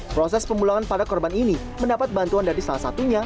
proses pemulangan pada korban ini mendapat bantuan dari salah satunya